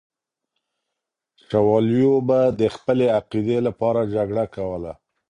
شوالیو به د خپلې عقیدې لپاره جګړه کوله.